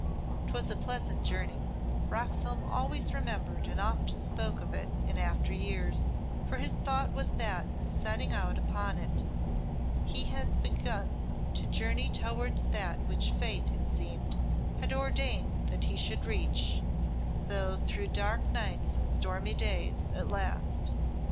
'Twas a pleasant journey; Roxholm always remembered and often spoke of it in after years, for his thought was that in setting out upon it he had begun to journey towards that which Fate, it seemed, had ordained that he should reach though through dark nights and stormy days at last.